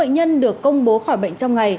nhân được công bố khỏi bệnh trong ngày